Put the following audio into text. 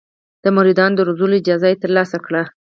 د مریدانو د روزلو اجازه یې ترلاسه کړه.